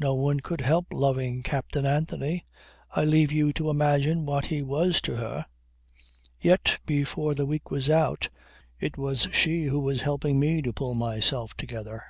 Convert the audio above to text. "No one could help loving Captain Anthony. I leave you to imagine what he was to her. Yet before the week was out it was she who was helping me to pull myself together."